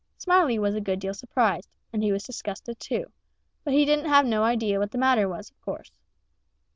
Smiley was a good deal surprised, and he was disgusted too, but he didn't have no idea what the matter was, of course.